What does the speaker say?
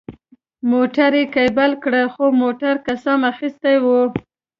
موټر یې کېبل کړ، خو موټر قسم اخیستی و.